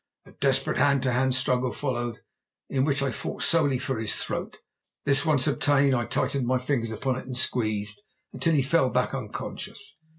A desperate hand to hand struggle followed, in which I fought solely for his throat. This once obtained I tightened my fingers upon it and squeezed until he fell back unconscious.